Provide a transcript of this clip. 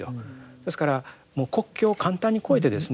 ですからもう国境を簡単に越えてですね